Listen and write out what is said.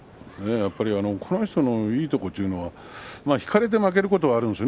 この人のいいところというのは引かれて負けるところがあるんですね